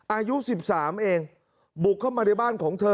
อายุ๑๓เองบุกเข้ามาในบ้านของเธอ